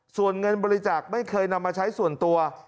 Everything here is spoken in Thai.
ส่วนเงินบริจาคไม่เคยนำมาใช้ส่วนตัว